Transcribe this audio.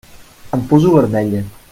Em poso vermella.